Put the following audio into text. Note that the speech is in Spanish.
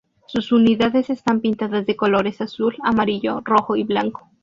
Sus unidades están pintadas de colores azul, amarillo, rojo y blanco.